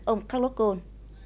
ông carlos ghosn